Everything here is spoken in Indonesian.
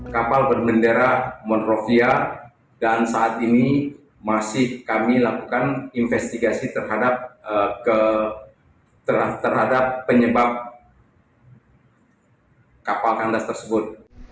kapal berbendera monrovia dan saat ini masih kami lakukan investigasi terhadap penyebab kapal kandas tersebut